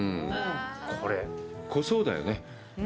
これ、濃そうだよね。